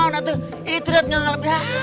nah itu gak lebih